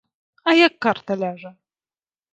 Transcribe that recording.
А як карта ляжа!